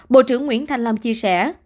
bộ trưởng nguyễn thanh long chia sẻ